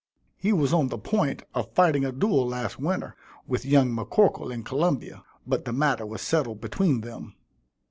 He was on the point of fighting a duel last winter, with young M'Corkle in Columbia; but the matter was settled between them.